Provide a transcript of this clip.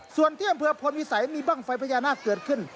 ส่วนที่อำเภอพลวิสัยมีบ้างไฟพญานาคเกิดขึ้น